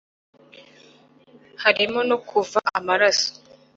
harimo no kuva amaraso